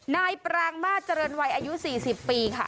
นายปรางมาเจริญวัยอายุ๔๐ปีค่ะ